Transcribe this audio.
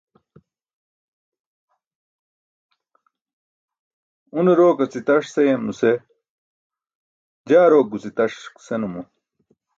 Une rok aci taṣ seyam nuse jaa rok guci taṣ senumo.